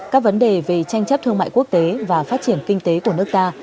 các vấn đề về tranh chấp thương mại quốc tế và phát triển kinh tế của nước ta